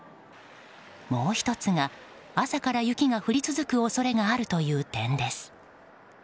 もう１つが、朝から雪が降り続く恐れがあるという点です。